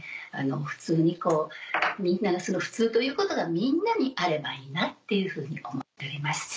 普通にこうみんなが普通ということがみんなにあればいいなっていうふうに思っております。